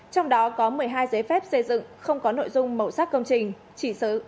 trong đó có một mươi hai giấy phép xây dựng không có nội dung màu sắc công trình